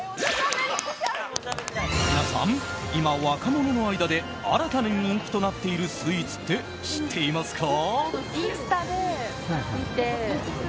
皆さん、今若者の間で新たな人気となっているスイーツって知っていますか？